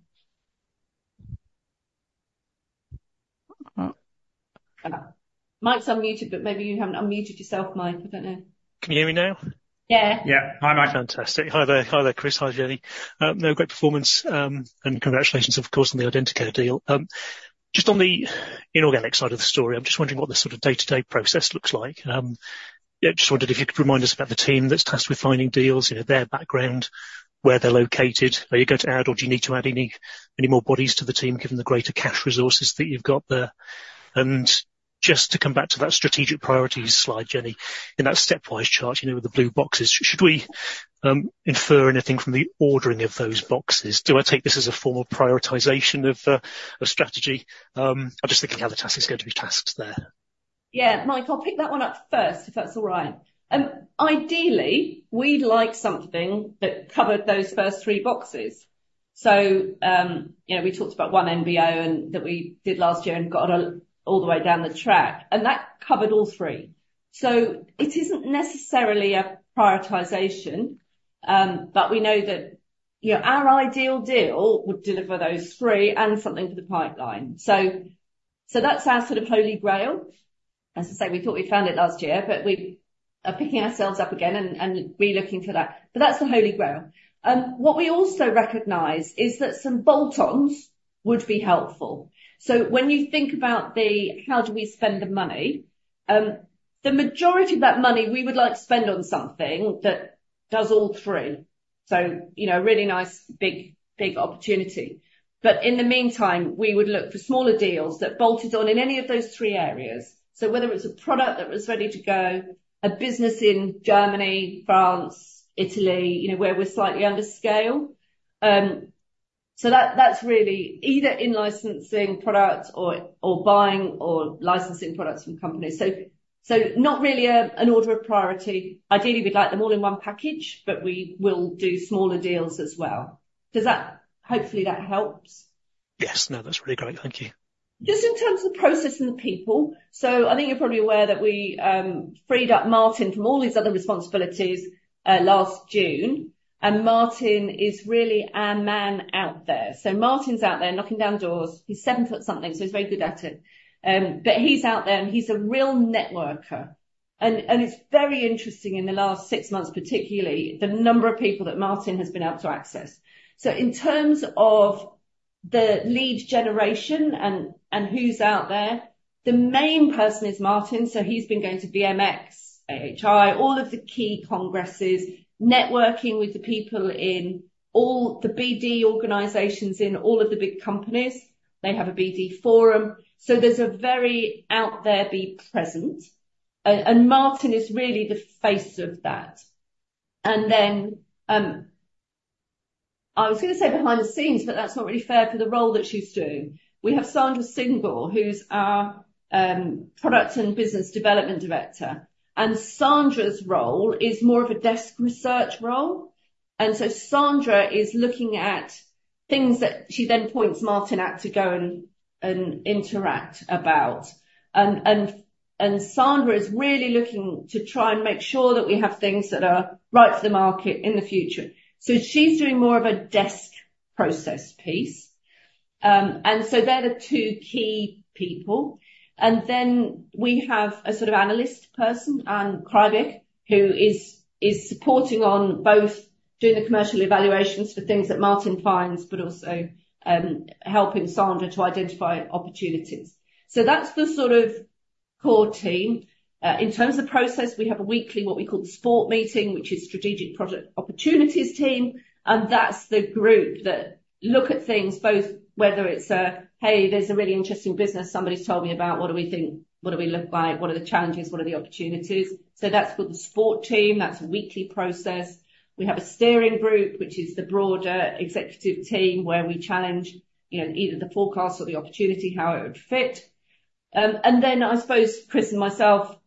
Mike's unmuted, but maybe you haven't unmuted yourself, Mike. I don't know. Can you hear me now? Yeah. Yeah. Hi, Mike. Fantastic. Hi there. Hi there, Chris. Hi there, Jenny. No, great performance. And congratulations, of course, on the Identicare deal. Just on the inorganic side of the story, I'm just wondering what the sort of day-to-day process looks like. Yeah, just wondered if you could remind us about the team that's tasked with finding deals, you know, their background, where they're located. Are you going to add, or do you need to add any, any more bodies to the team given the greater cash resources that you've got there? And just to come back to that strategic priorities slide, Jenny, in that stepwise chart, you know, with the blue boxes, should we infer anything from the ordering of those boxes? Do I take this as a formal prioritization of, of strategy? I'm just thinking how the task is going to be tasked there. Yeah. Mike, I'll pick that one up first if that's all right. Ideally, we'd like something that covered those first three boxes. So, you know, we talked about one NBO and that we did last year and got all the way down the track. That covered all three. So it isn't necessarily a prioritisation, but we know that, you know, our ideal deal would deliver those three and something for the pipeline. So, so that's our sort of holy grail. As I say, we thought we found it last year, but we are picking ourselves up again and, and relooking for that. But that's the holy grail. What we also recognize is that some bolt-ons would be helpful. So when you think about the, "How do we spend the money?" the majority of that money, we would like to spend on something that does all three. So, you know, a really nice big, big opportunity. But in the meantime, we would look for smaller deals that bolted on in any of those three areas. So whether it's a product that was ready to go, a business in Germany, France, Italy, you know, where we're slightly under scale, so that, that's really either in-licensing products or, or buying or licensing products from companies. So, so not really a, an order of priority. Ideally, we'd like them all in one package, but we will do smaller deals as well. Does that hopefully, that helps? Yes. No, that's really great. Thank you. Just in terms of the process and the people. So I think you're probably aware that we, freed up Martin from all these other responsibilities, last June. And Martin is really our man out there. So Martin's out there knocking down doors. He's seven-foot-something, so he's very good at it. But he's out there, and he's a real networker. And, and it's very interesting in the last six months, particularly, the number of people that Martin has been able to access. So in terms of the lead generation and, and who's out there, the main person is Martin. So he's been going to VMX, AHI, all of the key congresses, networking with the people in all the BD organisations in all of the big companies. They have a BD forum. So there's a very out-there be present. And, and Martin is really the face of that. And then, I was gonna say behind the scenes, but that's not really fair for the role that she's doing. We have Sandra Single, who's our product and business development director. And Sandra's role is more of a desk research role. And so Sandra is looking at things that she then points Martin out to go and Sandra is really looking to try and make sure that we have things that are right for the market in the future. So she's doing more of a desk process piece. And so they're the two key people. And then we have a sort of analyst person, Anja Krivic, who is supporting on both doing the commercial evaluations for things that Martin finds but also helping Sandra to identify opportunities. So that's the sort of core team. In terms of the process, we have a weekly what we call the SPOT meeting, which is strategic product opportunities team. And that's the group that look at things both whether it's a, "Hey, there's a really interesting business somebody's told me about. What do we think? What do we look like? What are the challenges? What are the opportunities?" So that's called the SPOT team. That's a weekly process. We have a steering group, which is the broader executive team where we challenge, you know, either the forecast or the opportunity, how it would fit. And then I suppose Chris and myself,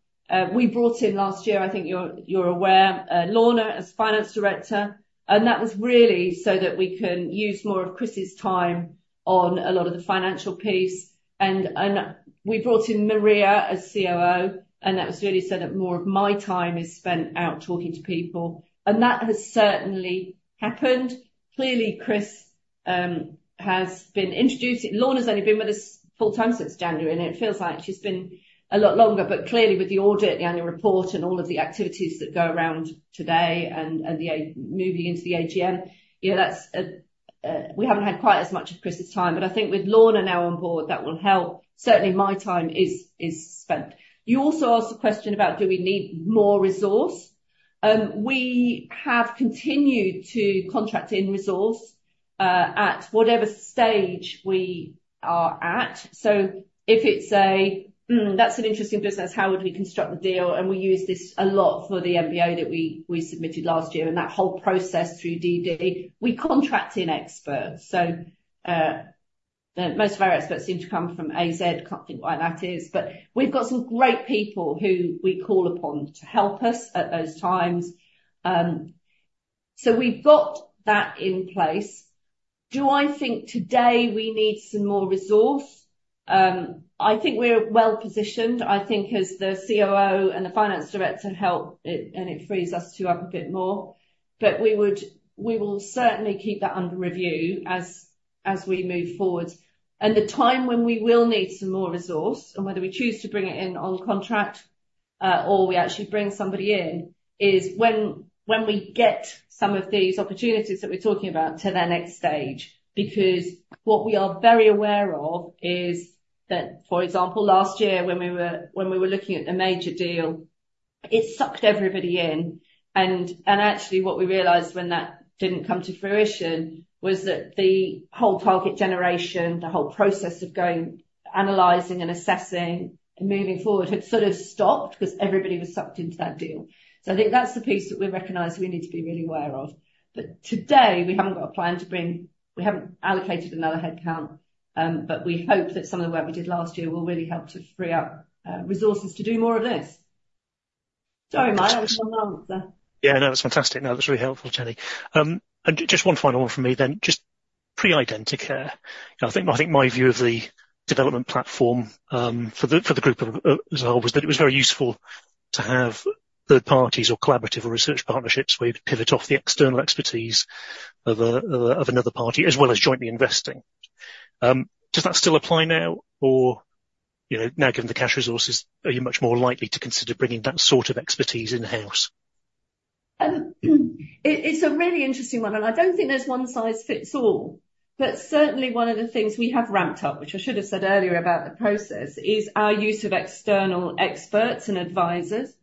we brought in last year, I think you're aware, Lorna as Finance Director. And that was really so that we can use more of Chris's time on a lot of the financial piece. And we brought in Maria as COO. And that was really so that more of my time is spent out talking to people. And that has certainly happened. Clearly, Chris has been introduced. Lorna's only been with us full-time since January, and it feels like she's been a lot longer. But clearly, with the audit, the annual report, and all of the activities that go around today, moving into the AGM, you know, we haven't had quite as much of Chris's time. But I think with Lorna now on board, that will help. Certainly, my time is spent. You also asked a question about, "Do we need more resource?" We have continued to contract in resource, at whatever stage we are at. So if it's, that's an interesting business. How would we construct the deal? And we use this a lot for the NBO that we submitted last year and that whole process through DD. We contract in experts. So, the most of our experts seem to come from AZ. Can't think why that is. But we've got some great people who we call upon to help us at those times. So we've got that in place. Do I think today we need some more resource? I think we're well-positioned. I think as the COO and the finance director help, it and it frees us two up a bit more. But we would we will certainly keep that under review as, as we move forward. And the time when we will need some more resource and whether we choose to bring it in on contract, or we actually bring somebody in is when, when we get some of these opportunities that we're talking about to their next stage. Because what we are very aware of is that, for example, last year when we were when we were looking at the major deal, it sucked everybody in. And, and actually, what we realized when that didn't come to fruition was that the whole target generation, the whole process of going analyzing and assessing and moving forward had sort of stopped because everybody was sucked into that deal. So I think that's the piece that we recognize we need to be really aware of. But today, we haven't got a plan to bring we haven't allocated another headcount. But we hope that some of the work we did last year will really help to free up resources to do more of this. Sorry, Mike. That was a long answer. Yeah. No, that's fantastic. No, that's really helpful, Jenny. And just one final one from me then, just pre-Identicare. I think my view of the development platform, for the group as a whole, was that it was very useful to have third parties or collaborative or research partnerships where you could pivot off the external expertise of another party as well as jointly investing. Does that still apply now, or, you know, now given the cash resources, are you much more likely to consider bringing that sort of expertise in-house? It's a really interesting one. And I don't think there's one size fits all. But certainly, one of the things we have ramped up, which I should have said earlier about the process, is our use of external experts and advisors.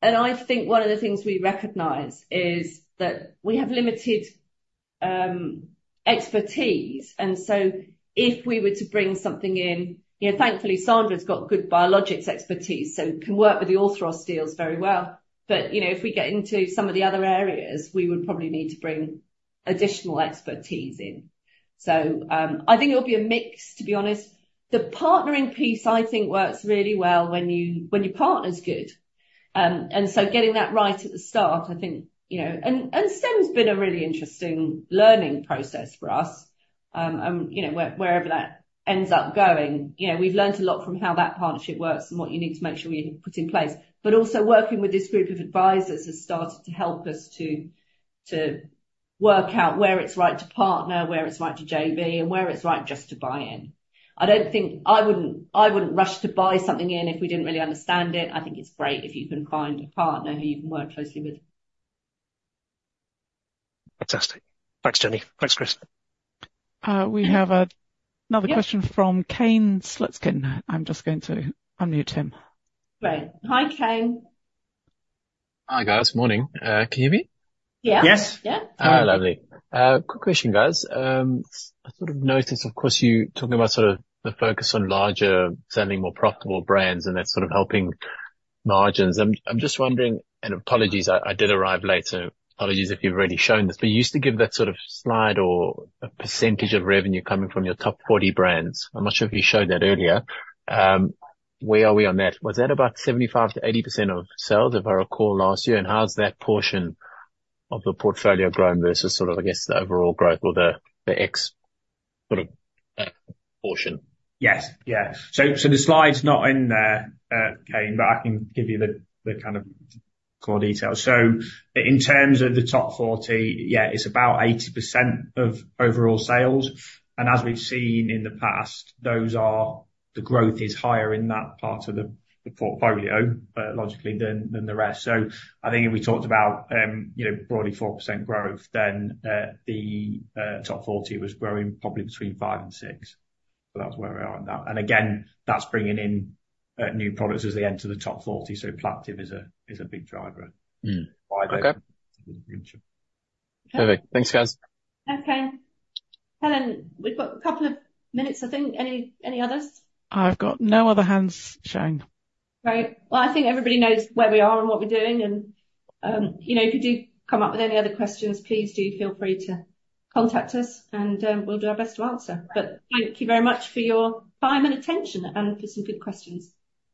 And I think one of the things we recognize is that we have limited expertise. So if we were to bring something in, you know, thankfully, Sandra's got good biologics expertise, so can work with the Orthros deals very well. But, you know, if we get into some of the other areas, we would probably need to bring additional expertise in. So, I think it'll be a mix, to be honest. The partnering piece, I think, works really well when you when your partner's good. And so getting that right at the start, I think, you know and, and STEM's been a really interesting learning process for us. And, you know, wherever that ends up going, you know, we've learnt a lot from how that partnership works and what you need to make sure you put in place. But also working with this group of advisors has started to help us to work out where it's right to partner, where it's right to JV, and where it's right just to buy in. I don't think I wouldn't rush to buy something in if we didn't really understand it. I think it's great if you can find a partner who you can work closely with. Fantastic. Thanks, Jenny. Thanks, Chris. We have another question from Kane Slutzkin. I'm just going to unmute him. Great. Hi, Kane. Hi, guys. Morning. Can you hear me? Yeah. Yes. Yeah. Hi. Lovely. Quick question, guys. I sort of noticed, of course, you talking about sort of the focus on larger selling, more profitable brands, and that's sort of helping margins. I'm just wondering and apologies, I did arrive later. Apologies if you've already shown this. But you used to give that sort of slide or a percentage of revenue coming from your top 40 brands. I'm not sure if you showed that earlier. Where are we on that? Was that about 75%-80% of sales, if I recall, last year? And how's that portion of the portfolio grown versus sort of, I guess, the overall growth or the, the X sort of, portion? Yes. Yeah. So, so the slide's not in there, Kane, but I can give you the, the kind of more details. So in terms of the top 40, yeah, it's about 80% of overall sales. And as we've seen in the past, those are the growth is higher in that part of the, the portfolio, logically, than, than the rest. So I think if we talked about, you know, broadly 4% growth, then the top 40 was growing probably between 5%-6%. So that's where we are on that. And again, that's bringing in new products as they enter the top 40. So Plaqtiv+ is a big driver. Okay. Perfect. Thanks, guys. Okay. Helen, we've got a couple of minutes, I think. Any others? I've got no other hands showing. Great. Well, I think everybody knows where we are and what we're doing. And you know, if you do come up with any other questions, please do feel free to contact us. And we'll do our best to answer. But thank you very much for your time and attention and for some good questions.